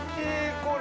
これ。